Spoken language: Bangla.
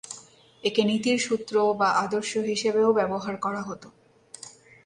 একে নীতির সূত্র বা আদর্শ হিসেবেও ব্যবহার করা হতো।